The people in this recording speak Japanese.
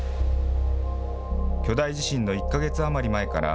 巨大地震の１か月余り前から、